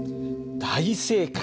大正解！